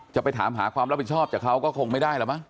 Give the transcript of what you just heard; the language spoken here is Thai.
จะไปถามหาความรับผิดชอบจากเขาก็คงไม่ได้แล้วมั้